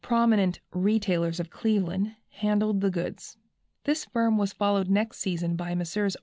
prominent retailers of Cleveland, handled the goods. This firm was followed next season by Messrs.